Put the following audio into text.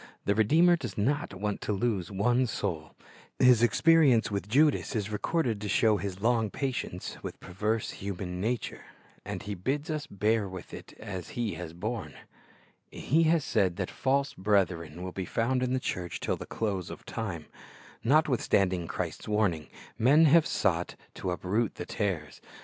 The Redeemer does not want to lose one soul; His experience with Judas is recorded to show His long patience with perverse human nature; and He bids us bear with it as He has borne. He has said that false brethren will be found in the church till the close of time. Notwithstanding Christ's warning, men hax'c sought to 74 Christ's Object Lessons uproot the tares.